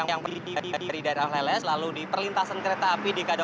adakah titik titik kemacetan yang perlu diwaspadi oleh para pembundik yang melewati jalur garut